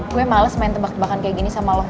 gue males main tebak tebakan kayak gini sama lomba